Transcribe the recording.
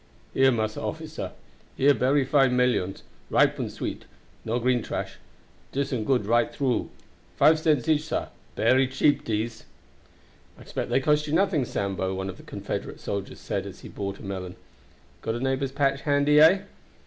"Here, massa officer, here berry fine melyons, ripe and sweet; no green trash; dis un good right through. Five cents each, sah. Berry cheap dese." "I expect they cost you nothing, Sambo," one of the Confederate soldiers said as he bought a melon. "Got a neighbor's patch handy, eh?"